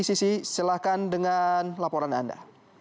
selamat pagi sisi silahkan dengan laporan anda